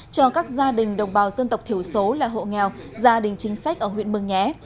cho các gia đình đồng bào dân tộc thiểu số là hộ nghèo gia đình chính sách ở huyện mường nhé